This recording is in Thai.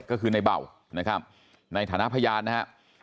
ก็คือในเบานะครับในฐานะพยานนะครับ